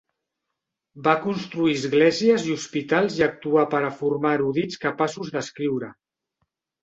Va construir esglésies i hospitals i actuar per a formar erudits capaços d'escriure.